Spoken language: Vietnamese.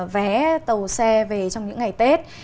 vé tàu xe về trong những ngày tết